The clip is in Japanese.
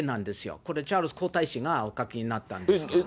これ、チャールズ皇太子がお描きになったんですけれども。